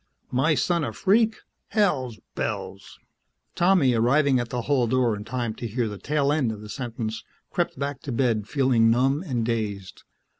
"My son a freak! Hell's bells!" Tommy, arriving at the hall door in time to hear the tail end of the sentence, crept back to bed feeling numb and dazed.